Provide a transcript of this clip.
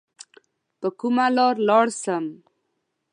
په کومه لار لاړ سم؟